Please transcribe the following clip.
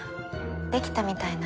できたみたいなの。